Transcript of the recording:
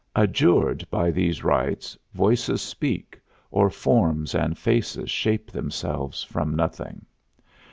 Adjured by these rites, voices speak, or forms and faces shape themselves from nothing.